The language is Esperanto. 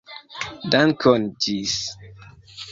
Dankon, ĝis!